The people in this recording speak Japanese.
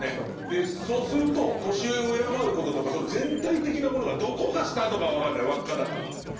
でそうすると年上を敬うこととかその全体的なものがどこがスタートかは分かんない輪っかだから。